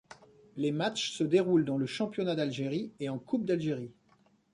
Les matchs se déroulent dans le championnat d'Algérie et en Coupe d'Algérie.